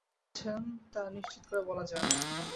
তিনি দূতের দায়িত্ব পালন করেছেন তা নিশ্চিত করে বলা যায় না।